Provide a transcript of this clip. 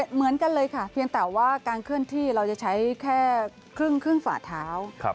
เหมือนกันเลยค่ะเพียงแต่ว่าการเคลื่อนที่เราจะใช้แค่ครึ่งฝ่าเท้า